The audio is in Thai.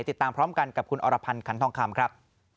ติดตามพร้อมกันกับคุณอรพันธ์ขันทองคำครับ